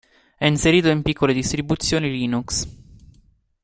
È inserito in piccole distribuzioni linux.